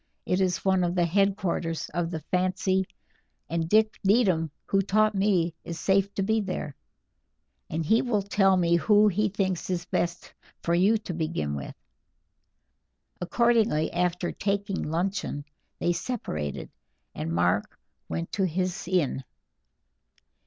It is one of the headquarters of the fancy, and Jack Needham, who taught me, is safe to be there, and he will tell me who he thinks is best for you to begin with." Accordingly, after taking luncheon, they separated, and Mark went to his inn.